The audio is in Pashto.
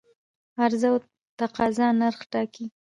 عرضه او تقاضا نرخ ټاکي.